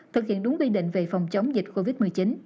thực hiện đúng quy định về phòng chống dịch covid một mươi chín